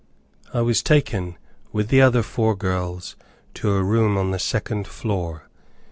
I was taken, with the other four girls, to a room on the second floor.